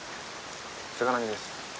菅波です。